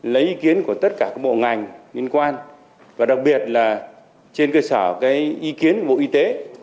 lấy ý kiến của tất cả các bộ ngành liên quan và đặc biệt là trên cơ sở cái ý kiến của bộ y tế